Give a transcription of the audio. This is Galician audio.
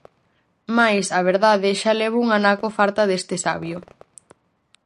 Mais, a verdade, xa levo un anaco farta deste sabio.